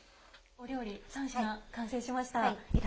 お料理３品、完成しました。